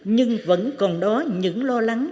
nhưng vẫn còn đó những lo lắng